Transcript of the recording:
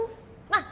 まあ